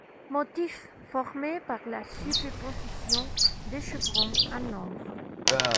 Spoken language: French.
Motif formé par la superposition de chevrons en nombre.